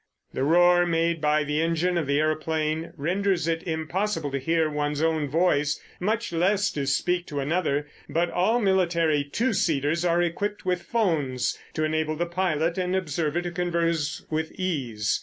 The roar made by the engine of an aeroplane renders it impossible to hear one's own voice, much less to speak to another; but all military "two seaters" are equipped with 'phones to enable the pilot and observer to converse with ease.